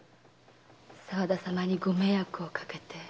沢田様にご迷惑をかけて。